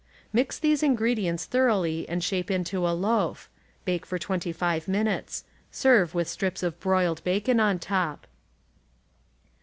Mix these ingredients thoroughly and shape into a loaf. Bake for 25 minutes. Serve with strips of broiled bacon on top.